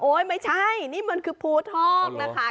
ไม่ใช่นี่มันคือภูทอกนะคะ